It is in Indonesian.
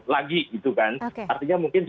lagi gitu kan artinya mungkin